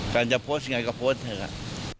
การจะโพสต์ไงก็โพสต์เถอะครับ